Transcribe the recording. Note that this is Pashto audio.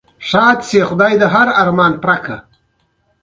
کله چې له کار نه راځم نو لورکۍ مې مخې ته راځی.